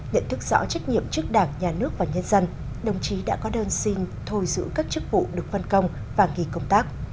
nhận thức rõ trách nhiệm trước đảng nhà nước và nhân dân đồng chí đã có đơn xin thôi giữ các chức vụ được phân công và nghỉ công tác